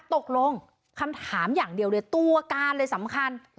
ตกลงคำถามอย่างเดียวเลยตัวการเลยสำคัญ